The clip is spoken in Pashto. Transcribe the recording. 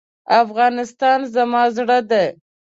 افغانستان زما زړه دی.